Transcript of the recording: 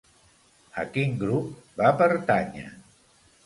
A quin grup va pertànyer?